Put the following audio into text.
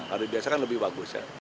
hari biasa kan lebih bagus ya